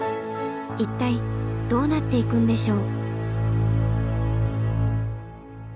一体どうなっていくんでしょう。